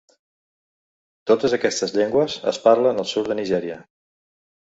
Totes aquestes llengües es parlen al sud de Nigèria.